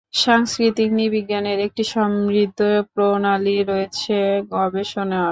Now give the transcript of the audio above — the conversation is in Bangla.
সাংস্কৃতিক নৃবিজ্ঞানের একটা সমৃদ্ধ প্রণালী রয়েছে গবেষণার।